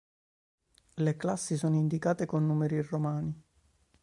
Le classi sono indicate con numeri romani.